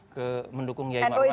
ke mendukung yayi marwan